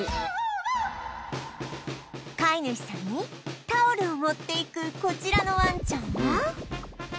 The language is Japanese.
飼い主さんにタオルを持って行くこちらのワンちゃんは